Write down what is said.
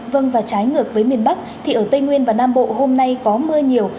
vâng và trái ngược với miền bắc thì ở tây nguyên và nam bộ hôm nay có mưa nhiều